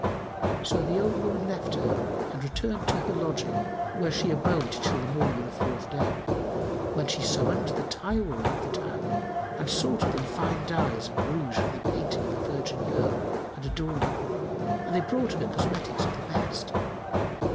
So the old woman left her and returned to her lodging, where she abode till the morning of the fourth day, when she summoned the tirewomen of the town and sought of them fine dyes and rouge for the painting of a virgin girl and adorning; and they brought her cosmetics of the best.